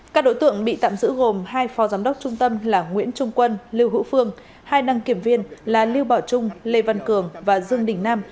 các đối tượng bị tạm giữ gồm hai phó giám đốc trung tâm là nguyễn trung quân lưu hữu phương hai đăng kiểm viên là lưu bảo trung lê văn cường và dương đình nam